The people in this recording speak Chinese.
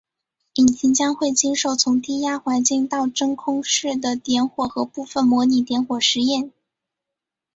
引擎将会经受从低压环境到真空室的点火和部分模拟点火实验。